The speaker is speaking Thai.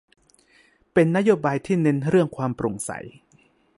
เป็นนโยบายที่เน้นเรื่องความโปร่งใส